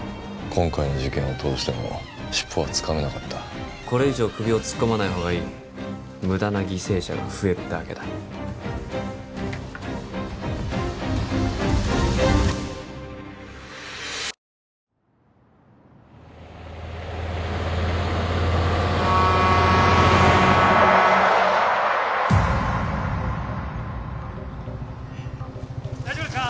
今回の事件を通しても尻尾はつかめなかったこれ以上首を突っ込まない方がいい無駄な犠牲者が増えるだけだ・大丈夫ですか？